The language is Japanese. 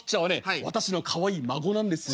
私のかわいい孫なんですよ」。